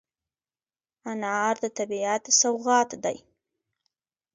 انار د طبیعت سوغات دی.